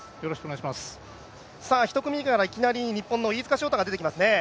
１組目からいきなり日本の飯塚翔太が出てますね。